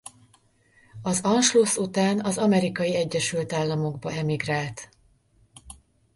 Az Anschluss után az Amerikai Egyesült Államokba emigrált.